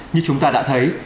như chúng ta đã thấy